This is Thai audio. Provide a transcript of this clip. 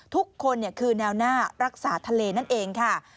ทุกคนคือแนวหน้ารักษาทะเลนั่นเองค่ะ